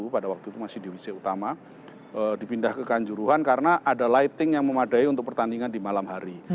pada waktu itu masih divisi utama dipindah ke kanjuruhan karena ada lighting yang memadai untuk pertandingan di malam hari